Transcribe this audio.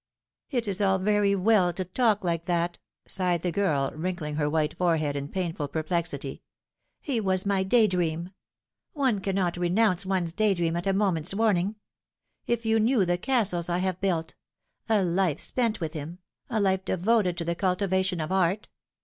" It is all very well to talk like that," sighed the girl, wrink ling her white forehead in painful perplexity. " He was my day dream. One cannot renounce one's day dream at a moment's warning. If you knew the castles I have built a life spent with him a life devoted to the cultivation of art